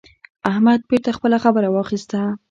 احمد بېرته خپله خبره واخيسته.